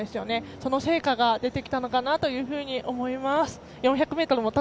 その成果が出てきたのかなと思います。